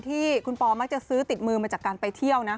ที่คุณปอมักจะซื้อติดมือมาจากการไปเที่ยวนะ